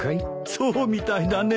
そうみたいだね。